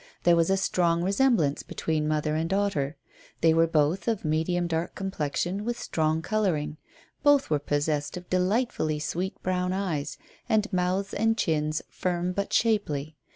There was a strong resemblance between mother and daughter. They were both of medium dark complexion, with strong colouring. Both were possessed of delightfully sweet brown eyes, and mouths and chins firm but shapely.